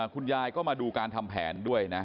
คุณยายก็มาดูการทำแผนด้วยนะ